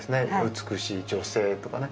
「美しい女性」とかね